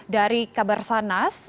dari kabar sanas